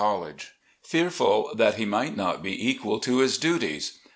LAST DAYS 43 S College, 'fearful that he might not be equal to his duties.